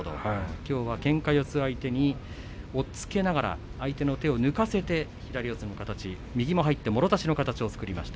きょうはけんか四つの相手相手の手を抜かせて左四つの形右も入ってもろ差しの形を作りました。